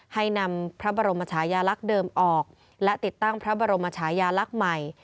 ให้นำพระบรมชายาลักษณ์เดิมออกและติดตั้งพระบรมชายาลักษณ์ใหม่